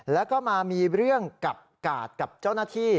แล้วก็มามีเรื่องกับกาดกับเจ้าหน้าที่